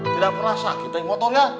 tidak pernah sakit teh motornya